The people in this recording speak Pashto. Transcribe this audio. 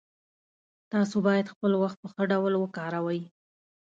تاسو باید خپل وخت په ښه ډول وکاروئ